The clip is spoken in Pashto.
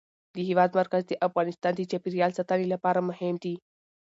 د هېواد مرکز د افغانستان د چاپیریال ساتنې لپاره مهم دي.